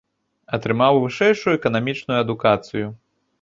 Атрымаў вышэйшую эканамічную адукацыю.